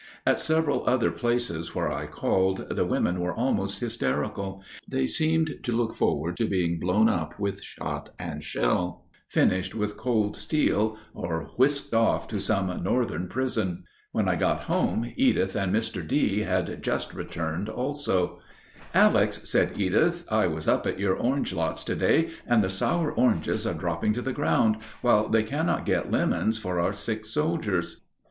At several other places where I called the women were almost hysterical. They seemed to look forward to being blown up with shot and shell, finished with cold steel, or whisked off to some Northern prison. When I got home Edith and Mr. D. had just returned also. "Alex," said Edith, "I was up at your orange lots to day, and the sour oranges are dropping to the ground, while they cannot get lemons for our sick soldiers."